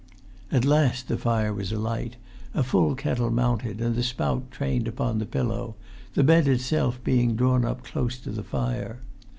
At last the fire was alight, a full kettle mounted, and the spout trained upon the pillow, the bed itself being drawn up close to the fire.